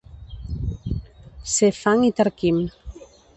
Ser fang i tarquim.